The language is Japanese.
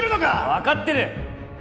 分かってる！